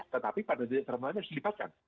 tetapi pada detik terakhir harus dilibatkan